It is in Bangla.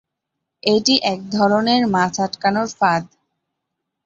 এটি এক ধরনের মাছ আটকানোর ফাঁদ।